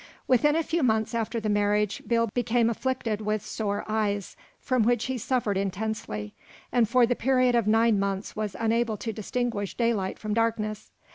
Within a few months after the marriage Bill became afflicted with sore eyes, from which he suffered intensely, and for the period of nine months was unable to distinguish daylight from darkness.